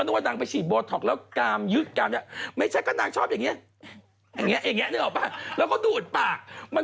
เพราะวางปาคเขามันจะเหมือนกาลเนื้อ